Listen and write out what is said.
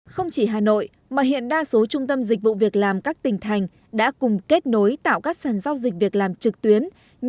không chỉ hà nội mà hiện đa số trung tâm dịch vụ việc làm các tỉnh thành đã cùng kết nối tạo các sàn giao dịch việc làm trực tuyến